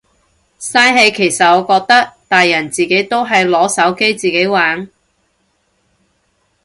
嘥氣其實我覺得，大人自己都係攞手機自己玩。